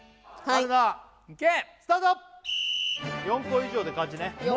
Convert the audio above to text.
４個以上で勝ちね